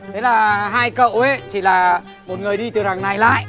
thế là hai cậu ấy chỉ là một người đi từ đằng này lại